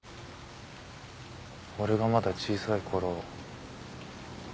俺がまだ小さいころ